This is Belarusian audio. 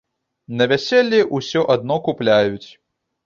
На вяселлі ўсё адно купляюць.